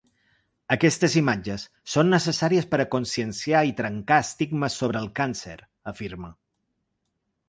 «Aquestes imatges són necessàries per a conscienciar i trencar estigmes sobre el càncer», afirma.